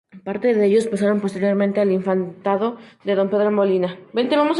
Parte de ellos pasaron posteriormente al infantado de don Pedro de Molina.